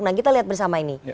nah kita lihat bersama ini